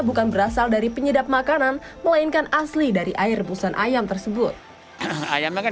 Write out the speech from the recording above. bukan berasal dari penyedap makanan melainkan asli dari air rebusan ayam tersebut ayamnya kan